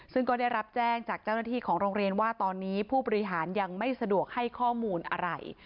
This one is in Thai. ซึ่งก็ได้รับแจ้งจากเจ้าหน้าที่ของโรงเรียนว่าตอนนี้ผู้บริหารยังไม่สะดวกให้ข้อมูลอะไร